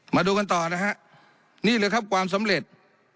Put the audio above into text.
มาดูกันต่อนะฮะนี่เลยครับความสำเร็จ